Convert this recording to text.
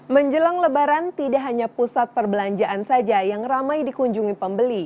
menjelang lebaran tidak hanya pusat perbelanjaan saja yang ramai dikunjungi pembeli